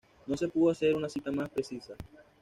No se pudo hacer una cita más precisa.